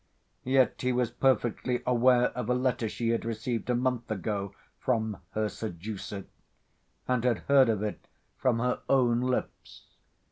Yet he was perfectly aware of a letter she had received a month ago from her seducer, and had heard of it from her own lips.